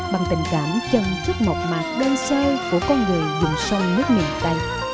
bằng tình cảm chân trước một mặt đơn sơ của con người dùng sông nước miền tây